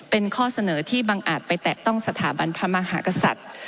เป็นข้อเสนอที่บังอาจไปแตะต้องสถาบันพระมหากษัตริย์